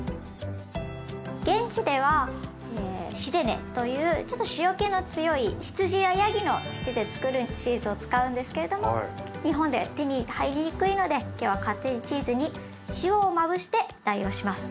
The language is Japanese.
現地では「シレネ」というちょっと塩けの強い羊やヤギの乳でつくるチーズを使うんですけれども日本で手に入りにくいので今日はカッテージチーズに塩をまぶして代用します。